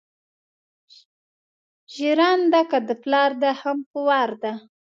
ژېرنده که ده پلار ده هم په وار ده